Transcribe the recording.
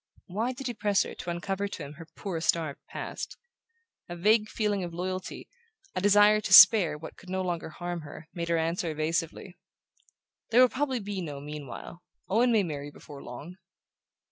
Why did he press her to uncover to him her poor starved past? A vague feeling of loyalty, a desire to spare what could no longer harm her, made her answer evasively: "There will probably be no 'meanwhile.' Owen may marry before long."